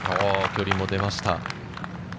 距離も出ました。